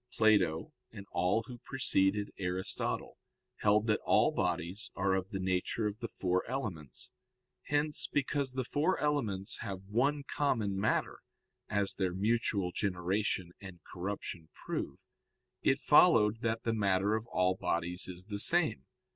Plato and all who preceded Aristotle held that all bodies are of the nature of the four elements. Hence because the four elements have one common matter, as their mutual generation and corruption prove, it followed that the matter of all bodies is the same.